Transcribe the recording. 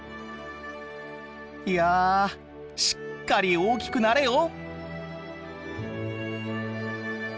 いやしっかり大きくなれよ！